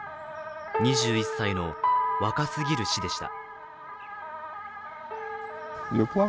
２１歳の若すぎる死でした。